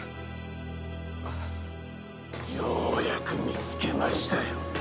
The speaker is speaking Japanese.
ようやく見つけましたよ